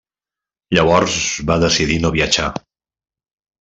Llavors va decidir no viatjar.